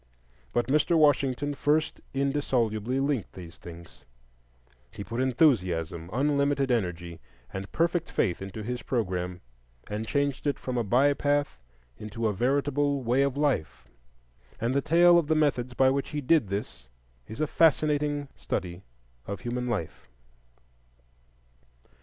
But Mr. Washington first indissolubly linked these things; he put enthusiasm, unlimited energy, and perfect faith into his programme, and changed it from a by path into a veritable Way of Life. And the tale of the methods by which he did this is a fascinating study of human life.